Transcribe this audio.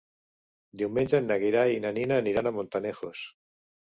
Diumenge en Gerai i na Nina aniran a Montanejos.